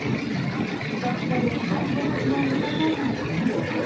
ふかふかで座り心地のよさそうなこのソファー。